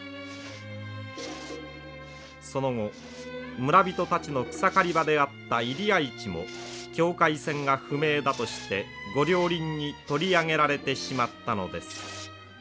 その後村人たちの草刈り場であった入会地も境界線が不明だとして御料林に取り上げられてしまったのです。